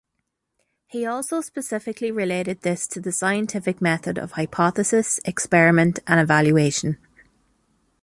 He also specifically related this to the scientific method of hypothesis, experiment, and evaluation.